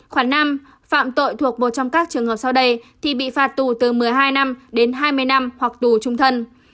khoảng năm phạm tội thuộc một trong các trường hợp sau đây thì bị phạt tù từ một mươi hai năm đến hai mươi năm hoặc tù trung thân